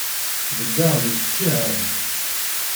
Beddeɣ di tcihant.